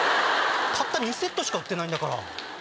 たった２セットしか売ってないんだから。